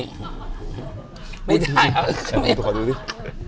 ไม่ได้ครับ